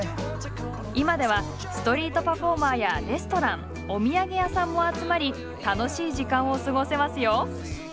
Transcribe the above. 今ではストリートパフォーマーやレストランお土産屋さんも集まり楽しい時間を過ごせますよ。